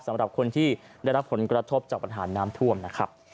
สำหรับคนที่ได้รับผลกระทบจากปัญหาน้ำท่วมนะครับ